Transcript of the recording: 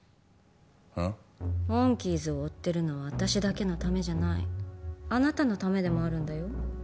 うん？モンキーズを追ってるのは私だけのためじゃないあなたのためでもあるんだよ